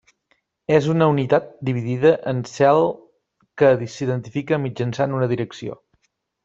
És una unitat dividida en cel que s'identifica mitjançant una direcció.